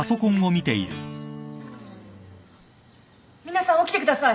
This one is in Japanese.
皆さん起きてください！